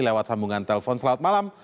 lewat sambungan telepon selamat malam